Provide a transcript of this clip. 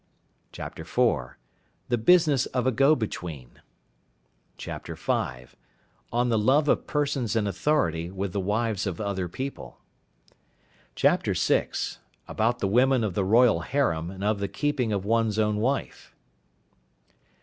" IV. The business of a Go between. " V. On the Love of Persons in authority with the Wives of other People. " VI. About the Women of the Royal Harem, and of the keeping of one's own Wife.